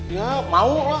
ya mau lah